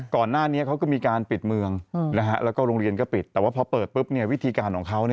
ก่อนหน้านี้เขาก็มีการปิดเมืองแล้วก็โรงเรียนก็ปิดแต่ว่าพอเปิดปุ๊บวิธีการของเขา